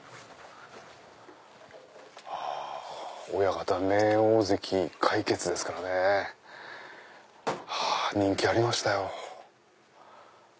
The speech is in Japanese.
親方名大関魁傑ですからね人気ありましたよ。